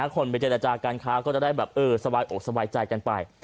คนไปเจรจาการค้าก็จะได้แบบเออสบายอกสบายใจกันไป